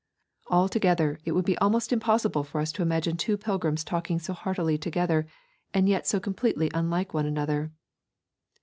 Altogether, it would be almost impossible for us to imagine two pilgrims talking so heartily together, and yet so completely unlike one another.